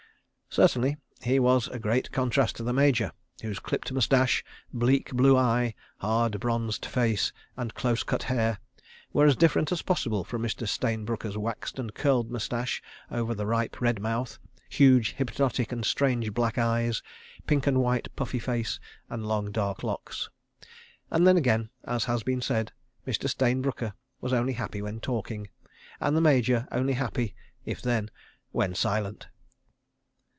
Certainly he was a great contrast to the Major, whose clipped moustache, bleak blue eye, hard bronzed face and close cut hair were as different as possible from Mr. Stayne Brooker's waxed and curled moustache over the ripe red mouth; huge hypnotic and strange black eyes; pink and white puffy face, and long dark locks. And then again, as has been said, Mr. Stayne Brooker was only happy when talking, and the Major only happy (if then) when silent.